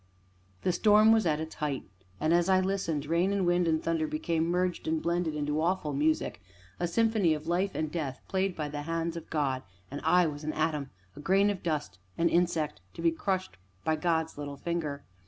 The storm was at its height, and, as I listened, rain and wind and thunder became merged and blended into awful music a symphony of Life and Death played by the hands of God; and I was an atom a grain of dust, an insect, to be crushed by God's little finger.